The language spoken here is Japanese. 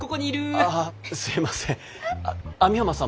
あすいません。